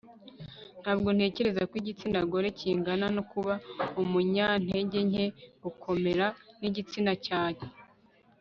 ntabwo ntekereza ko igitsina gore kingana no kuba umunyantege nke. gukomera ni igitsina cyane